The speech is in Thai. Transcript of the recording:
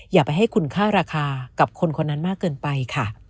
อย่าไปให้คุณค่าราคากับคนคนนั้นมากเกินไปค่ะ